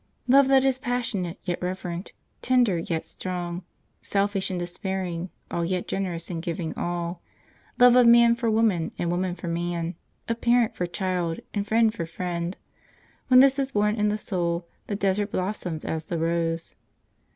Love that is passionate yet reverent, tender yet strong, selfish in desiring all yet generous in giving all; love of man for woman and woman for man, of parent for child and friend for friend when this is born in the soul, the desert blossoms as the rose.